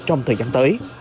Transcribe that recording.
trong thời gian tới